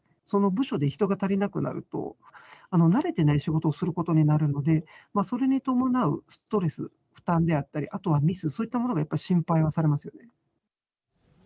その部署で人が足りなくなると、慣れてない仕事をすることになるので、それに伴うストレス、負担であったり、あとはミス、そういったものが心配はされます。